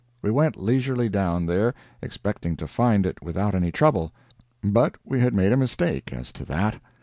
We went leisurely down there, expecting to find it without any trouble, but we had made a mistake, as to that.